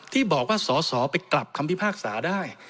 ที่บอกว่าสอสอไปกลับคำพิพากษาได้